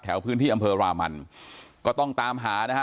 พื้นที่อำเภอรามันก็ต้องตามหานะฮะ